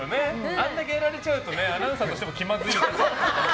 あんだけやられちゃうとアナウンサーとしても気まずいですよね。